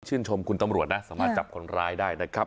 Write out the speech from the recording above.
ชมคุณตำรวจนะสามารถจับคนร้ายได้นะครับ